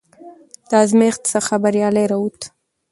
د ازمېښت څخه بریالی راووت،